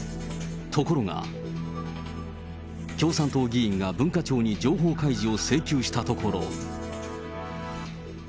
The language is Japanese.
ところが、共産党議員が文化庁に情報開示を請求したところ。